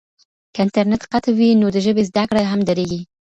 که انټرنیټ قطع وي نو د ژبې زده کړه هم درېږي.